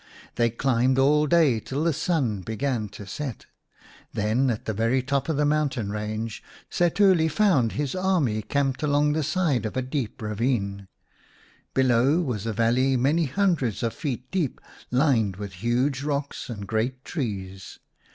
They climbed all day till the sun began to set. Then at the very top of the mountain range Setuli found his army camped 14 D the King of the Birds along the side of a deep ravine. Below was a valley many hundreds of feet deep, lined with huge rocks and great trees.